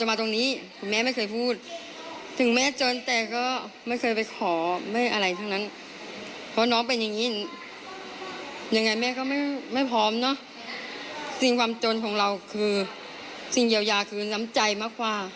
ผ่านไทยรัฐทีวีนะคะ